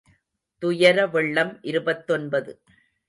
துயர வெள்ளம் இருபத்தொன்பது.